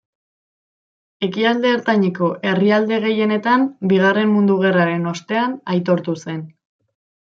Ekialde Ertaineko herrialde gehienetan Bigarren Mundu Gerraren ostean aitortu zen.